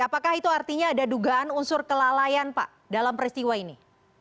apakah itu artinya ada dugaan unsur kelalaian pak dalam peristiwa ini